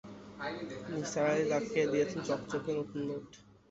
নিসার আলি তাকে দিয়েছেন কচকচে নতুন নোট।